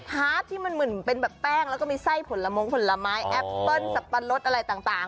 ฮาร์ดที่มันเหมือนเป็นแบบแป้งแล้วก็มีไส้ผลมงผลไม้แอปเปิ้ลสับปะรดอะไรต่าง